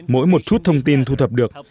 mỗi một chút thông tin thu thập được